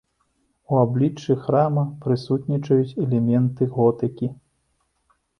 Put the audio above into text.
У абліччы храма прысутнічаюць элементы готыкі.